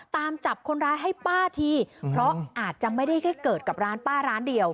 ตามจับคนร้ายให้ป้าทีเพราะอาจจะไม่ได้แค่เกิดกับร้านป้าร้านเดียว